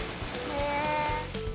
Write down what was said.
へえ。